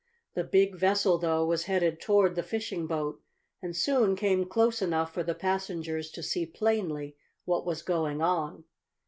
The big vessel, though, was headed toward the fishing boat and soon came close enough for the passengers to see plainly what was going on.